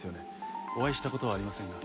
お会いした事はありませんが。